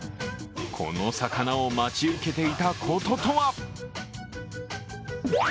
この魚を待ち受けていたこととは？